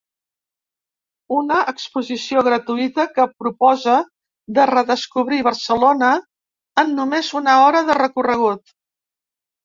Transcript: Una exposició gratuïta que proposa de redescobrir Barcelona en només una hora de recorregut.